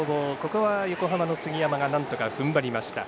ここは横浜の杉山がなんとか、ふんばりました。